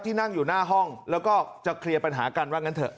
ที่นั่งอยู่หน้าห้องแล้วก็จะเคลียร์ปัญหากัน